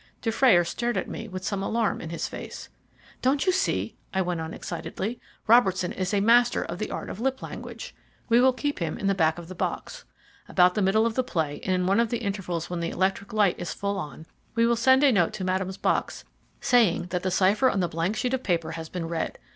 Dufrayer stared at me with some alarm in his face. "Don't you see?" I went on excitedly. "Robertson is a master of the art of lip language. We will keep him in the back of the box. About the middle of the play, and in one of the intervals when the electric light is full on, we will send a note to Madame's box saying that the cipher on the blank sheet of paper has been read.